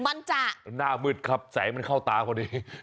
มันจะหน้ามืดครับแสงมันเข้าตาพอดี